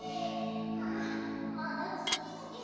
あまだズキズキする。